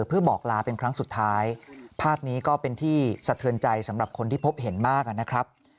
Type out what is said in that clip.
เพื่อบอกลาเป็นครั้งสุดท้ายภาพนี้ก็เป็นที่สะเทือนใจสำหรับคนที่พบเห็นมากนะครับ